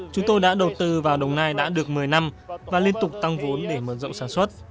chúng tôi đã đầu tư vào đồng nai đã được một mươi năm và liên tục tăng vốn để mở rộng sản xuất